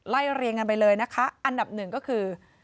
เรียงกันไปเลยนะคะอันดับหนึ่งก็คือ